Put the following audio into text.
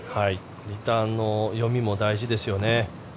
リターンの読みも大事ですよね。